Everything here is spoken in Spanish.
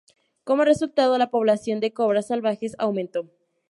Como resultado, la población de cobras salvajes aumentó.